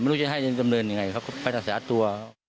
ไม่รู้จะให้จำนวณยังไงครับครับก็ไปทักษะอัดตัว